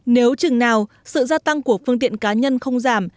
nếu chừng nào sự gia tăng của phương tiện cá nhân không giảm